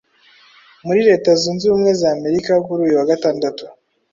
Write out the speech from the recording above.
muri Leta Zunze Ubumwe z’Amerika kuri uyu wa gatandatu